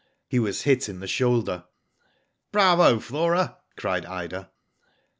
He was hit in the shoulder. "Bravo, Flora!" cried Ida. Mrs.